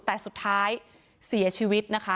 แต่สุดท้ายเสียชีวิตนะคะ